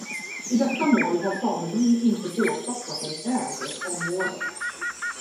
I detta mål har samebyn inte påstått att den äger området.